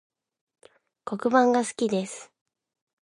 黒板が好きです